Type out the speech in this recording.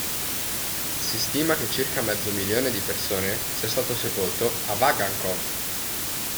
Si stima che circa mezzo milione di persone sia stato sepolto a Vagan'kovo.